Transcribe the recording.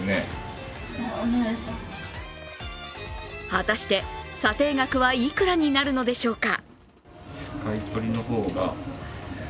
果たして査定額はいくらになるのでしょうか。